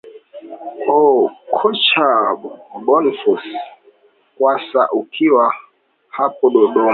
aa kocha bonface mkwasa ukiwa hapo dodoma